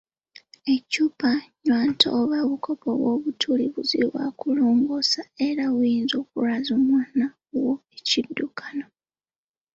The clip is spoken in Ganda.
Eccupa, nnywanto oba obukopo obw'obutuli, bizibu okulongoosa era biyinza okulwaza omwana wo ekiddukano.